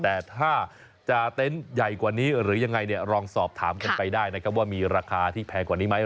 แต่ถ้าจะเต็นต์ใหญ่กว่านี้หรือยังไงเนี่ยลองสอบถามกันไปได้นะครับว่ามีราคาที่แพงกว่านี้ไหม